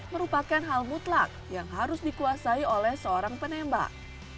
merupakan hal mutlak yang harus dikuasai oleh seorang penembak